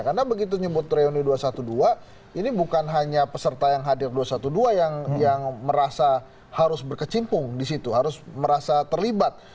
karena begitu nyebut reuni dua satu dua ini bukan hanya peserta yang hadir dua satu dua yang merasa harus berkecimpung disitu harus merasa terlibat